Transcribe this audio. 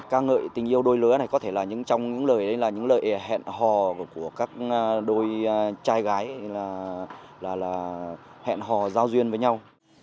ca ngợi tình yêu đôi lứa này có thể là những trong những lời hẹn hò của các đôi trai gái là là hẹn hò giao duyên với nhau